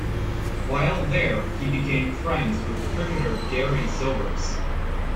While there he became friends with cricketer Gary Sobers.